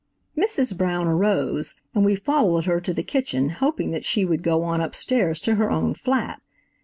Mrs. Brown arose, and we followed her to the kitchen hoping that she would go on upstairs to her own flat.